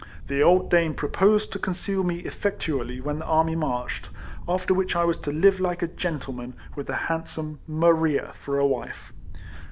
The old dame proposed to conceal me effectually when the army marched; after which I was to live like a gentleman, with the handsome Maria for a wife.